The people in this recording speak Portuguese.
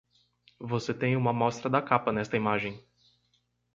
Você tem uma amostra da capa nesta imagem.